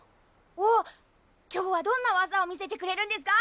王今日はどんな技を見せてくれるんですか？